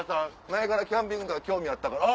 前からキャンピングカー興味あったから。